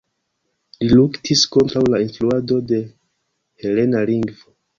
Li luktis kontraŭ la instruado de helena lingvo.